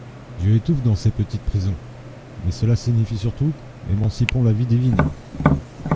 Dieu étouffe dans ces petites prisons ! Mais cela signifie surtout : Émancipons la vie divine.